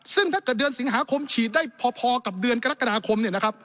ซึ่งถ้าเกิดเดือนสิงหาคมฉีดได้พอกับเดือนกรกฎาคมเนี่ยนะครับ